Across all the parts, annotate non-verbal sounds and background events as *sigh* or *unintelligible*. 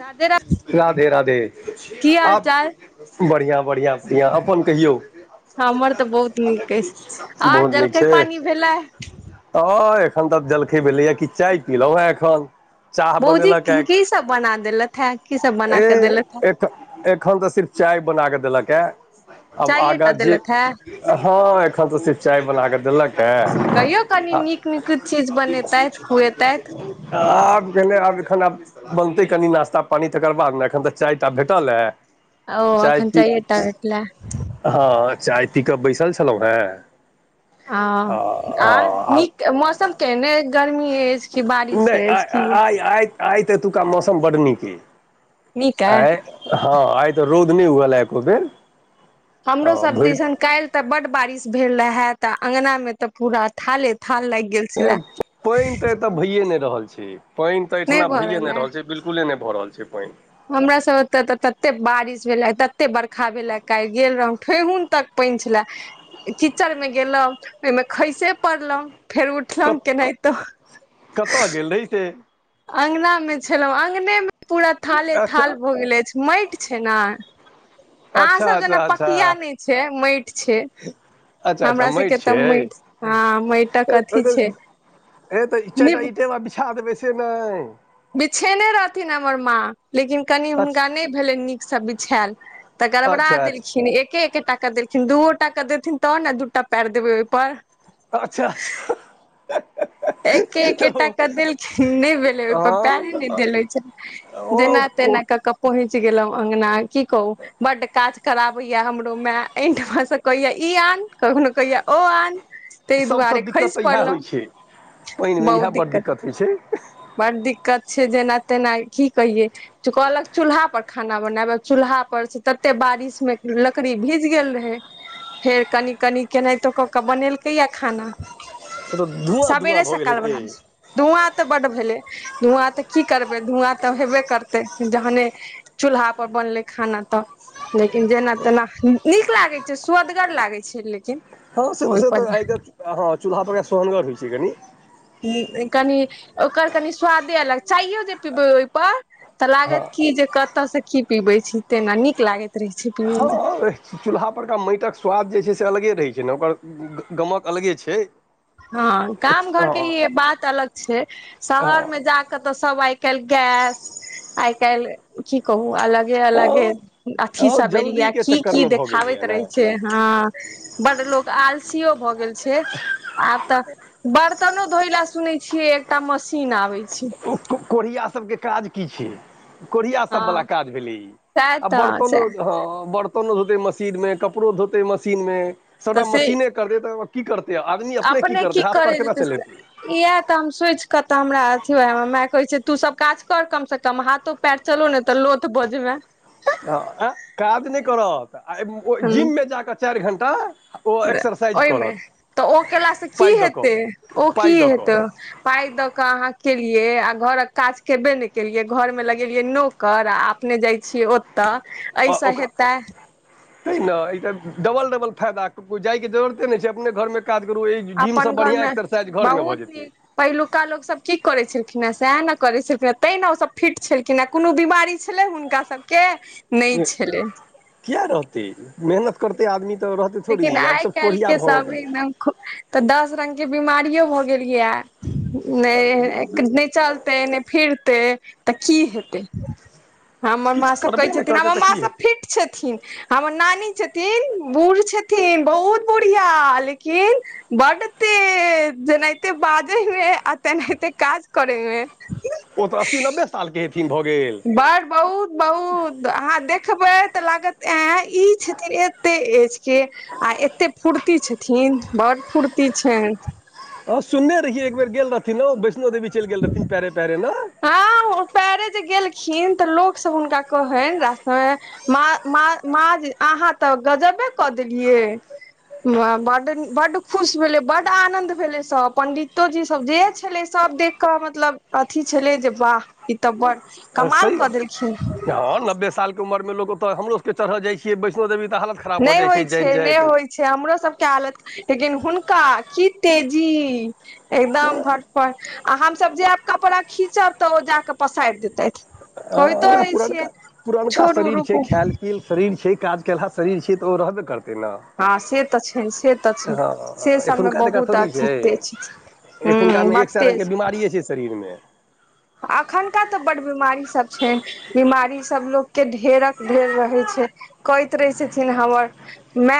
राधे रा राधे राधे की हाल आब चाल बढ़िआँ बढ़िआँ बढ़िआँ अपन कहियौ हमर तऽ बहुत नीक अछि आर बहुत नीक जलखै छै पानी भेलै तऽ एखन तऽ जलखे भेलैएा कि चाय पीलहुँ हेँ एखन चाह बौजी बनेलक हे की सब बना देलथि हे कीसभ बना कऽ ए देलैथ हे एख एखन तऽ सिर्फ चाय बना कऽ देलक ह आब चाये टा आगा जे देलथि हे हँ एखन अखन त सिर्फ चाय बना क देलक कहियो कनि नीक नीक चीज बनेतथि खुएतथि *unintelligible* नय नय आब एखन आब बनतै कनि नाास्ता पानी तकर बाद ने एखन तऽ चाय तटा भेटल ऐ ओ चाय अखन पी चाये टा भेटलै हँ चाय पी कऽ बैसल छलहुँ हे ह आर नीक मौसम केने गर्मी अछि कि बारिश नहि अछि आइ की आइ आइ आइ त एतुका मौसम बड नीक ये नीक अइ आइ ह आइ त रउद नहि हुएल एको फ बेर हमरोसभ भरि दिसन काल्हि तऽ बड्ड बारिश भेल रहै तअ अगना मे तऽ पूरा थाले थाल लागि गेल ए छले पाइन तऽ एतअ भयै न रहल छै पाइन तऽ नहि एहिठिना भऽ भैए नहि ए रहल छै बिलकुले नहि भऽ रहल छै पाइन हमरा सब ओते तऽ तते बारिश भेले तते बर्खा भेलै काल्हि गेल रहौ ठेहुन तक पैन छले कीचड़ मे गेलहुँं ओहिमे खैसे पड़लहु फेर उठलॅ केनाहितो कतय गेल रही से अङ्गना मे छलहुँ अङ्गने मे पूरा थाले अच्छा थाल भऽ गेल अछि माटि छै ने अच्छा अहाँसभ जेना अच्छा अच्छा पकिया नहि छै माटि छै अच्छा अच्छा हमरा सबके माटि तऽ छै हँ माटिक अथी छै ए तऽ चटा नीप इटेबा बिछा देब से नहि बिछेने रहथिन हमर माँ लेकिन कनि हुनका अच्छा नहि भेलनि नीकसँ बिछायल तऽ गड़बड़ा अच्छा अच्छा देलखिन एक एकटा टा देलखिन दूओ टा का देेलथिन तब ने दू टा पएर देबै ओहिपर अच्छा अच्छा एकेेटा तऽ क देलखिन नहि भेलै ओहिप प्यारे नहि हँ देल छै जेना तेना ओ कए क बहिन गेलहु अंगना की कह बड काज खराब होइया हमरो मे एठ मे से कहैया इ कखनो कहिया ओ आन ताहि सभसँ दुआरे दिक्कत खसि तऽ इएह होइ पड़लहु छै पानिमे इएह ब्ड दिक्कत होइ छै बड़ दिक्कत छै जेना तेना की कहियै कहलक चूल्हा पर खाना बनाब चूल्हा हा पर से तते बारिश मे लकड़ी भीज गेल रहे फेर कनि कनि केनाहितो कऽ कऽ बनेलकैएा खाना से तऽ धुआँ धुआँ सबेरे भऽ गेल सकाल हेतै बनाल छै धूआँ तऽ भेल धुआँ तऽ की करबै धुआँ तऽ हेबे करतै जहने चूलहा पर बनलै खाना तऽ लेकिन जेना तेना नीक लागे छै सु्वदगर लागे छै लेकिन हँ से तऽ से तऽ ओहिपर आइ हँ चूल्हा पर सोहनगर होइ छै कनीनि कनि ओकर कनि स्वादे अलग चाययो जे पीबै ओहिपर तऽ लागत हँ की जे कतय से की पीबै छी तेना नीक लागैत रहै छै पीबैमे और चूल्हा पर केा माटिक के स्वाद जे छै से अलगे रहे छै छै ने ओकर गमक अलगे छै हँ गाम हँ घर के ई बात अलग छै हँ शहर मे जााकऽ तऽ सब आइ काल्हि ग आइ काल्हि की कहुं अल अे अलगे अथी हँ सब एलियै जल्दीके की की चक्करमे भऽ गेलैए देखाबैत ने रहे छै हँ बड लोक आलसीयो भऽ गेल छै आब तऽ बर्तनो धोय ले सुने छिये एकटा मशीन आबे छै कोढ़िया सभकेँ काज की छै कोढ़िया सभ वाला हँ काज भेलै ई सएह आ तऽ बर्तनो सएह ह बर धोतेै मशीन मे कपड़ो धोतेै मशीन मे तऽ सबटा से मशीने करतै तऽ की करतै आदमी अपने की करतै हाथ करै पैर केना जेतै चलेतै इएह तऽ हम सोच कऽ तऽ हमरा माय कहै छै तू सब काज कर कम से कम हाथो पायर चलु ने तऽ लोथ बजबै ह काज नहि करत आ ह जिममे जा कऽ चारि घं्टा ओहिमे तऽ ओ केलास से की पाइ दऽ कऽ हेतै ओ की पाइ दऽ कऽ हेतै पाइ दऽकाँ केलियै आ घरक काज केबे नहि केलियै घरमे लगेलियै नौोककर आ अपने जाइ छियै तऽ ऐस हेताै त ने ई तऽ डबल डबल फायदा कोइ जायके जरूरते नहि छै अपने घरमे काज करू एहि अपन जिमसँ घर बढ़िआँ मे एक्सरसाइज घरमे बहुत भऽ नीक जेतै पहिलुकका लोको सब की करे छल खिन ह सएह ने करे छलखिन ह ते ने ओ सब फिट छलखिन हे कोनो बीमारी छले हुनका सबके नहि छलै कििया रहतै मेहनत करतै आदमी तऽ रहतै थोड़ी लेकिन आब आइ सब काल्हि कोढ़िया के भऽ सब गेलै ह तऽ दस रंगग के बिीमारियो भ गेल गेलियै ने ने चलते नहि फिरते तऽ की हेतै हमर माँ किछु सब कहै करबे नहि छथिन करतै हमर तऽ माँ की सब हेतै फिट छथिन हमर नानी छथिन बुढ़ छथिन बहुत बुढ़िया लेकिन बड तेज जेनाहिते बाजै आ तनाहिते काज करैमे ओ तऽ अस्सी नब्बे सालके हेथिन भऽ गेल बड़ बहुत बहुत अहाँ देखबै तऽ लागत ऐं ई छथिन एते एज के आ एते फूर्ती छथिन बड्ड फूर्ती छै हँ सुनने रहियै एक बेर गेल रहथिन ओ वैष्णो देवी चलि गेल रहथिन पैरे पैरे न हँ पैरे जे गेलखिन त लोक सभ हुनका कहैन रास्ता मे माँ माँ माँ अहाँ तऽ गजबे कऽ देलियै बड्ड हँ बड्ड खुश भेलै बड्ड आनंद भेलै सभ पंडितो जी सब जे छलै सभ सब देख कऽ मतलब अथी छलै जे वाह ई तऽ बड़ कमाल सही कऽ देलखिन हँ नब्बे सालके उमरमे लोक ओतऽ हमरोसभके चढ़ल जाइ छियै वैष्णो देवी तऽ हालत खराब नै भऽ जाइ होइ छै जाइत नै जाइत होइ छै हमरो सभके हालत लेकिन हुनका की तेजी एकदम फर फर आ हमसभ जे आब कपड़ा खीचब तऽ ओ जाकऽ पसारि देतैथ हँ कहितो उएह रहै छियै पुरनका पुरनका छोड़ू शरीर छै रुकू खायल पियल शरीर छै काज केलहा शरीर छिय तऽ ओ रहबे करतै ना हँ से तऽ छै से तऽ छै से हँ सबमे एखुनका जकाँ बहुत थोड़ी अथी छै तेज छथिन एखुनका हूँ मे बड एक सै रंगकेँ बिमारिये छै शरीरमे अखुनका तऽ बड्ड बीमारी सभ छै बीमारी सभ लोक केँ ढेरक ढेर रहैत छै कहैत रहै छथिन हमर मै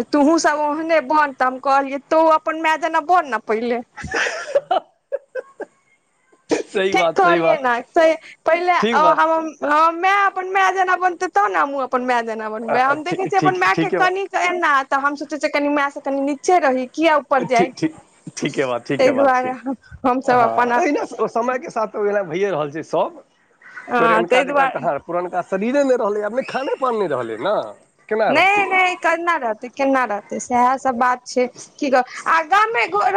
जे तुहूँ सब ओहने बन तऽ हम कहलियै तू अपन मै जेना बन ना पहिले सही ठीक बात सही कहलियै बात न से पहिले ठीक बात हमर माइ अपन माइ जेना बनतै तब न हमहुँ अप माय जेना अ, बनबै अ, हम देखे ठी- छी अपन ठीक माय के ठीके बात कनिक एना तऽ हम सोचै छिये कनि मै सँ कनी नीचे रही किया ऊपर हँ जाय ठीक ठीक ठीके बात ठीके ताहि बात छै दुआरे हमसभ अपन हँ एहिना समय के साथ ओ एना भैए रहल छै सब पुरनका ताहि जकाँ दुआरे कहाँ पुरनका शरीरे नै रहलै आब नै खाने पान नइ रहलै ने केना नहि रहतै नहि केना रहतै केना रहतै सएह सब बात छै की कह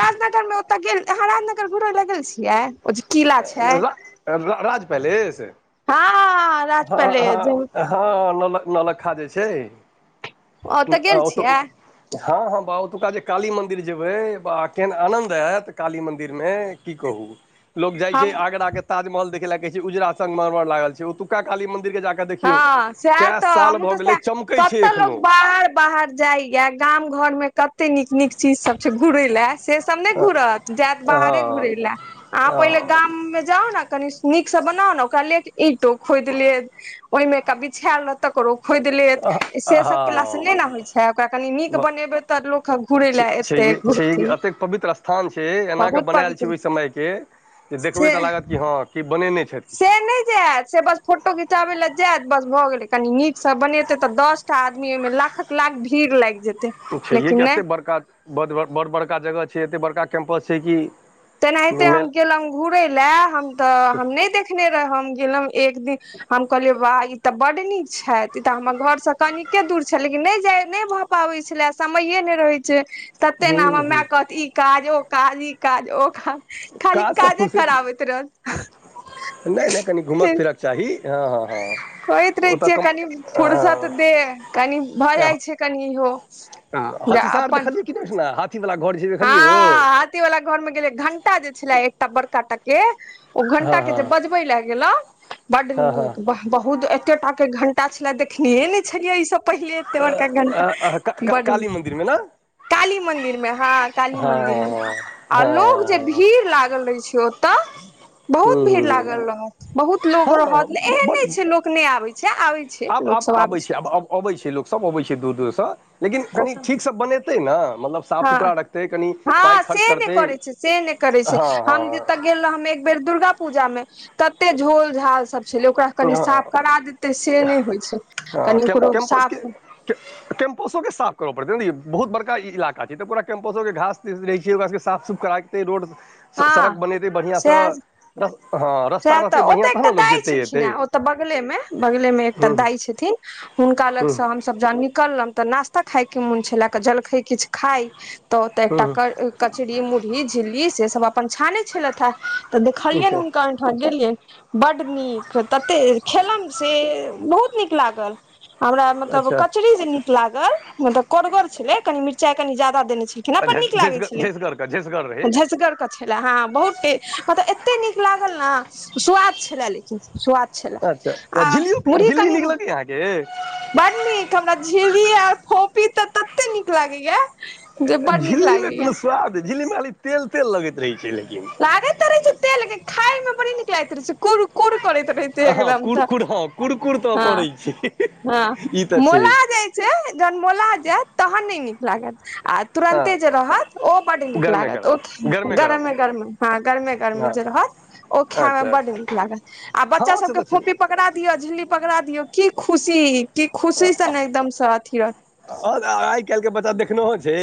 राजनगर मे ओत गेल अहाँ राजनगर घुरे ल गेल छियै ओ जे किला छै रा राज पलेस हँ राज हँ पैलेस हँ हँ नौलक नौलक्खा जे छै ओ ओ तऽ गेल छियै ओतऽ हँ हँ बा ओतुका जे काली मन्दिर जेबै बा केहन आनन्द आएत काली मन्दिरमे की कहू लोक जाय छै हम आगरा केँ ताजमहल देखै ले कहै छै उजरा संगमरमर लागल छै ओतुका काली मं हँ सएह तऽ हमहुँ भऽ तऽ गेलै सेह चमकै छै कत्त लोक एखनो बाहर बाहर जाइये गाम घर मे कत्ते नीक निक चीज सब घुरय लए से सब नहि हँ घुरत जायत बाहरे घुरै लए अहाँ पहिले गाम मे जाउ ने कनि नीक सँ बनाउ ने ओकरा लेक ईंटो खोद लेब ओहिमे का बिछायल रहल तकरो खोदि लेत से सब केला सँ नहि ने हँ होइ छै ओकरा कनी नीक बनेबे तऽ लोक घूरै लऽ एत्तै छै एतेक पवित्र स्थान छै एना के बहुत बनायल छै पवित्र ओहि समयकेँ देखबे से तऽ लागत कि हँ की बनेने छै से नहि जायत से बस फोटो खिचाबै लए जायत बस भऽ गेलै कनी नीक सँ बनेते तऽ दसटा आदमी एहि मे लाखक लाख भीड़ लागि जेतय छैहे कि एते बड़का बड़ बड़का जगह छै एते बड़का कैम्पस छै कि तेनाहिते हम मेल गेलहुँ घुरै लए हम तऽ हम नहि देखने रहौं हम गेलहुँ एक दिन हम कहलियए बा ई ते बड्ड नीक छै ई त हमर घर से कनिके दूर छै लेकिन नहि जै नहि भऽ पाबै छलै समये नहि रहैय छै तते न आब हूँ हमरा हूँ कहत ई काज ओ काज ई काज ओ काज खाली काजसँ काज फुर्सत कराबैत रहत नहि नहि कनि घूमक फिरक चाही हँ हँ हँ कहैत रहै ओतऽ छियै कम कनि फूर्सत दे कनि भऽ जाइ छै कनि इहो जा हथसार अपन देखलियै कि वला घर जे छै देखलियै ओ हँ हाथी वाला घर मे गेलै घंटा जे छलै एकटा बड़का टाकए ओ घंटा हँ के हँ जे बजबे लए गेलउ बड हँ हँ नीक बाह बहुत कते टा के घंटा छले देखनए ने छलियै ई सब पहिले एते बड़का घनटा ब काली मन्दिरमे ने काली मंदिर में हा हँ मन्दिर मे हँ आ लोग जे हँ भीड़ लागल रहै छै ओतऽ हूँ बहुत भीड़ हूँ लागल रहत बहुत लोग हँ रहत हँ एहन नहि बड छै लोक नहि आबे छै आबे छै आब लोक आब सब आबै अबै छै आ अबै छै लोक सब अबै छै दूर दूर से लेकिन ओ कनि सब ठीकसँ बनेतै ने मतलब साफ हँ सुथरा रखतै कनि पाइ हँ खर्च से नहि करतै करै छै से नहि करै छै हँ हँ हम जतऽ गेल रहौ बेर दुर्गा पूजा में कते झोल झाल सब छलै ओकरा कनि हँ साफ करा देतै से नहि होइ छै कनि ओकरो साफ कैंपसो के साफ करऽ पड़तै बहुत बड़का ई इलाका गाछ त पूरा केम्पसोके घास द रहै छै ओकरराके साफ कराखतै रोड सड़क हँ बनेतै बढ़िया से सएह हँ रस्ता रहते बढ़िया तह ने लोक जेतै ए ने ओ त बगले मे बगले मे एकटा दाई छथिन हुनका लग हूँ से हमसब जहन निकलन त ना क्ता खायके मोन छलै क जलखै किछु खाइ तऽ ओतऽ हूँ हूँ एकटा कचरी मुरही झिल्ली से सब अपन छानै छलथि हे तऽ देखखलियए अच्छा ने गेलियै बढ़ नीक तते खेलम से बहुत नीक लागल हमरा मतलब अच्छा कचड़ी जे नीक लागल मतलब करगर छले कनी मिरचाई कनी जदा देने नीक लागै झसगर छल झसगर के झसगर ह रहै झसगर के छल ह बहुत मतलब एत्तै न लागल ना स्वाद छलै लेकिन छला अच्छा आ झिल्लियो मुरी झिल्ली कनि नीक लगैए अहाँके बड़ नीक हमरा झिल्ली आर फोपी तऽ तत्तै नीक लागैया जे बड नीक झिल्ली मे कोनो लागैया स्वाद झिल्ली मे खाली तेल तेल लगैत रहै छल लागैते रहे छै तेल खायमे बड़ी नीक लागैत रहै छै कूर कूर करैत रहैत हँ एकदम तऽ कुरकुर हँ कुरकुर तऽ हँ करै छै हँ ई तऽ छै मोला जाइ छै जहन मोला जैत तहन नहि नीक लागत आ हँ तुरन्ते जे रहत ओ बड नीक गरमे लागत ओ गरम गरम गरमे गरमे ह गरमे गरमे हँ जे रहत ओ खाय में अच्छा बड नीक लागत आ बच्चा हँ सब से के तऽ छै फोफि पकड़ पकड़ा दियौ झिल्ली पकड़ा दियौ कि खुशी कि खुशीसँ ने एकदम सँ अथी रह आइ काल्हि के बच्चा देखनेहो छै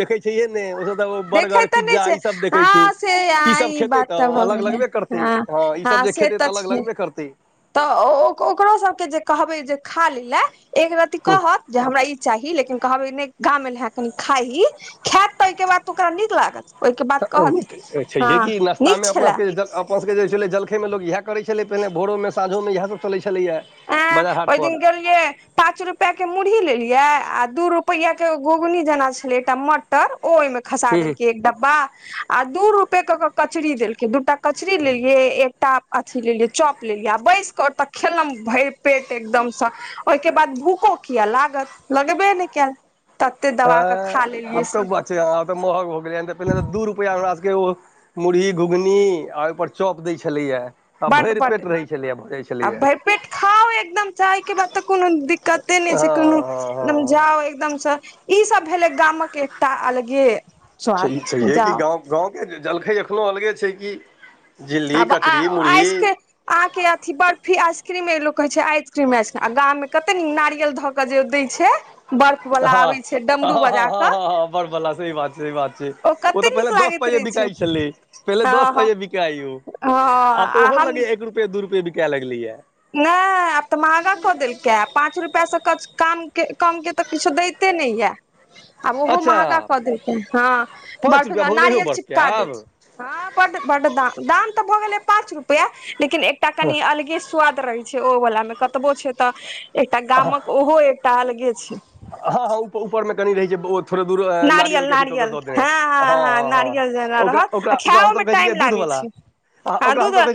देखै छहे ने ओ सब देखे बर्गर तऽ नहि पिज्जा छै ई सब देखे छै हँ से ई आ सब ई खेते बात तऽ भऽ अलग गेलै लगबे करते हँ ई सब जे खतै तऽ अलग लगबे करतै तऽ ओ ओकरो सभके जे कहबै जे खा लेल लए एक रती कहत जे हमरा ई चाही लेकिन कहब नहि गाम एल हे कनि खाइी खैत तइहिके बाद त ओकरा नीक लागत ओहिके बाद कहत छैेयै हँ हे कि नीक नाश्तामे अपना छलए सब सब छल जल ए मे लोक इहै करै छलै पहिने भोरमे साँझोमे इह सब चलै छलैए अं बाजार हाट ओहि पर दिन गेलियै पाँच रुपआ के मुरही लेलियै आ दू रुपआ के गोगनी जेना छलै एकटा मटर ओ ओहिमे खसा हूँ देलक एक डब्बा आ दू रूपे के कचरी देलकै दू टा कचड़ी लेलिये एकटा अथी लेलिये चॉप लेलिये आ बैस क ओतऽ खेलम भरि पेट एकदमसँ ओहिके बाद भूखो किया लागत लगबे नहि कैल ह आब तऽ बात छै तऽ महग भ गेलै पहिने तऽ दू रुपआ मे हमरा ओ मुरी घुघनी आ ओहि पर चौप दै छलैया त बड्ड भरि बड्ड पेट रहै छलै आ भरि पेट खाउ एकदम चायके बाद तऽ कोनो दिक्कते नहि छै हँ कोनो हँ एकदम हँ जा खाउ एकदम से ई सब भेले गामक एकटा अलगे स्वाद छैहे कि जाउ गाँव गाँवके जलखै एखनहु अलगे छै कि झिल्ली आब कचरी मुरही आइसके अहाँके अथी बर्फी आइस आइसक्रीम मे लोग कह छै आइसक्रीम आसक्रीम आ गाम मे केतेक नारियल धऽ के जे दै छै बर्फ हँ बला आबै छै डमरु बजा कऽ से बात छै ओ तऽ कते पहिले नीक दस लागैत पाइये रहै छै बिकाई छलै पहिले हँ दस हँ पाइये बिकाई ओ हँ आब तऽ आ ओहो हम लगैयै एक रुपे दू रूपे बिका लगलेए नहि आब तऽ महगा कऽ देलकै पाँच रुपैआसँ काम कम के तऽ किछो दैते नहि यै आ ओहो अच्छा महगा कऽ देलके हँ पाँच बड़फ रुपैआ भऽ गेलै यौ नारियल बर्फके चिपका देत आब ह बढ़ द दाम तऽ भऽ गेलै पाँच रुपआ लेकिन एकटा कनि अलगे स्वाद रहै छै ओ वला मे कतबो छै तऽ एकटा गामक ओहो एकटा अलगे छै कनी रहै छै बहुत थोड़े दूर नारियल के अथी कऽ के दऽ देने हँ हँ हाँ हँ हाँ नारियल ओकरा ओकरा हम सब कहैय छीयै दूधबाला छी आ दू त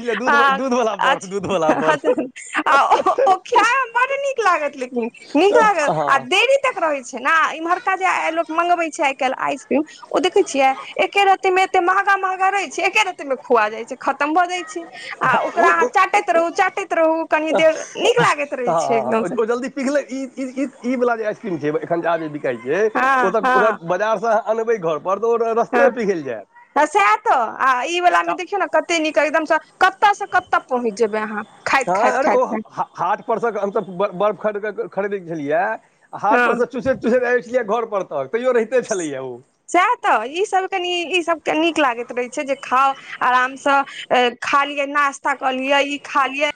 दूधवला बर्फ दूधवला अछै अछै बर्फ उ तऽ खाय मे बड्ड नीक लागत लेकिन नीक लागत हँ आ देरी तक रहय छै ने इम्हरका जे एलोक मंगबै छै आई काल आइसक्रीम ओ देखे छियै एके रति में एते महगा महगा रहे छै एके रति मे खुआ जाई छै खतम भऽ जाई छै आ ओकरा अहाँ चाटैत रहू चाटैत रहू कनी देर नीक ह लागैत रहै छै एकदम ओ से तऽ जल्दी पिघलैत ई ई ई एखुनका जे आइसक्रीम छै बिकाई छै हँ ओ तऽ हँ बाजार से अहाँ अनबै घर पर हँ तऽ सएह तऽ आ ई वलामे देखियौ ने कतेक नीक एकदमसे कतेक कतऽ से कतऽ पहुँच जेबै अहाँ खाइत हाँ खाइत अरे खाइत ओ खाइत हाट हाटपर सँ हमसभब बर्फ खरीद खरीदै छलियै आ हाट हँ परसे चुसैत चुसैत आबि जाइत छलियै घर पर तक तैयो रहिते छलैया ओ सएह तऽ ई सब कनि ई सब कनि नीक लागैत रहै छै जे खाउ आरामस खा लियै नास्ता कऽ लियै ई खा लियै